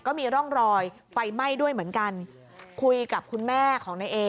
ก็มีร่องรอยไฟไหม้ด้วยเหมือนกันคุยกับคุณแม่ของนายเอ